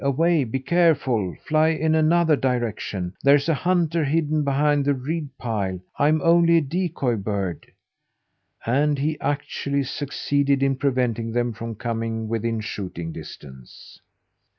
Away! Be careful! Fly in another direction! There's a hunter hidden behind the reed pile. I'm only a decoy bird!" And he actually succeeded in preventing them from coming within shooting distance.